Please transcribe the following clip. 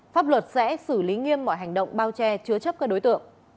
pháp luật sẽ xử lý nghiêm mọi hành động bao che chứa chấp các đối tượng